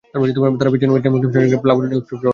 তার পিছনে পিছনে মুসলিম সৈনিকরা প্লাবনের ন্যায় উপচে পড়ল।